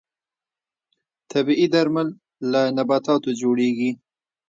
طبیعي درمل له نباتاتو جوړیږي